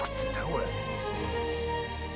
これ。